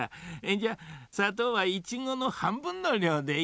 じゃさとうはイチゴのはんぶんのりょうでいいな。